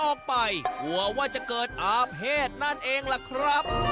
ออกไปกลัวว่าจะเกิดอาเภษนั่นเองล่ะครับ